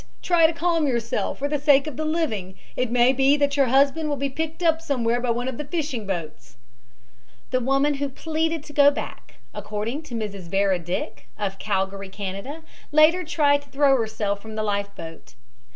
Try to calm yourself for the sake of the living. It may be that your husband will be picked up somewhere by one of the fishing boats." The woman who pleaded to go back, according to Mrs. Vera Dick, of Calgary, Canada, later tried to throw herself from the life boat. Mrs.